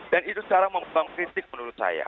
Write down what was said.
dan itu secara membutuhkan kritik menurut saya